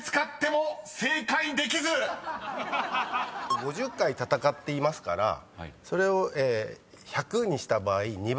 ５０回戦っていますからそれを１００にした場合２倍。